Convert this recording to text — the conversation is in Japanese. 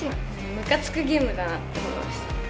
むかつくゲームだなって思いました。